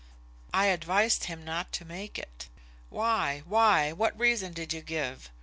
"I advised him not to make it." "Why? why? What reason did you give?"